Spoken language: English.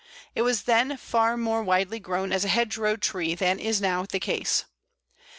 It was then far more widely grown as a hedgerow tree than is now the case.